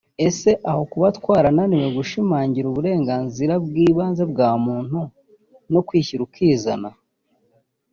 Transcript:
Ese aho kuba twarananiwe gushimangira uburenganzira bw’ibanze bwa muntu no kwishyira ukizana